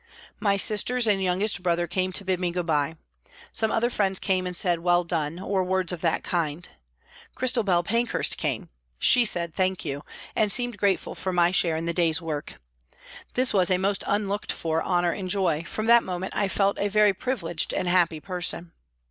My sisters and youngest brother came to bid me goodbye. Some other friends came and said " Well done," or words of that kind. Christabel Pankhurst came. She said " Thank you," and seemed grateful for my share in the day's work. This was a most unlooked for honour and joy, from that moment I felt a very privileged and happy person.